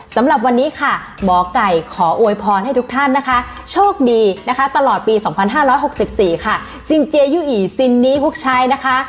สำหรับวันนี้ค่ะหมอกไก่ขอโอ๊ยพรณให้ทุกท่านนะคะโชคดีนะคะตลอดปีสองพันห้าร้อยหกสิบสี่ค่ะสินเจยุอีซินนี้พุกชัยนะคะ